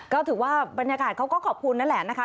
ก็ถือว่าบรรยากาศเขาก็ขอบคุณนั่นแหละนะคะ